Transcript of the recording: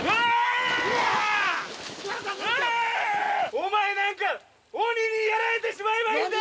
お前なんか鬼にやられてしまえばいいんだ！